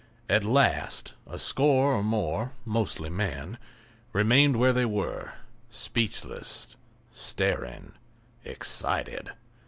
At last a score or more, mostly men, remained where they were, speechless, staring, excited.